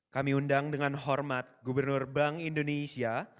kami undang dengan hormat gubernur bank indonesia